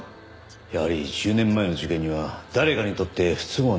やはり１０年前の事件には誰かにとって不都合な真実がある。